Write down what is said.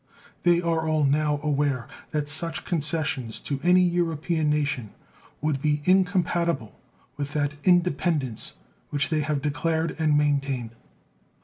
They are all now aware that such concessions to any European nation would be incompatible with that independence which they have declared and maintained.